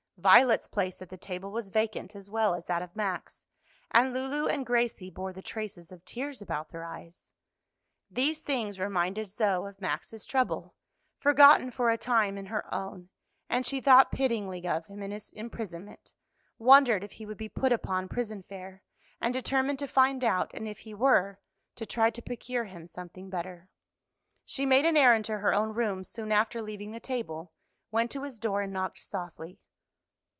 Violet's place at the table was vacant as well as that of Max, and Lulu and Gracie bore the traces of tears about their eyes. These things reminded Zoe of Max's trouble, forgotten for a time in her own, and she thought pityingly of him in his imprisonment, wondered if he would be put upon prison fare, and determined to find out, and if he were, to try to procure him something better. She made an errand to her own rooms soon after leaving the table, went to his door and knocked softly.